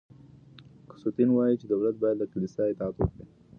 اګوستين وايي چي دولت بايد له کليسا اطاعت وکړي.